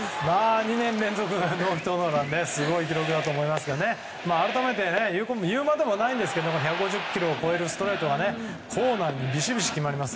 ２年連続ノーヒットノーランはすごい記録だと思いますけど改めて言うまでもないんですけど１５０キロを超えるストレートがコーナーにびしびし決まります。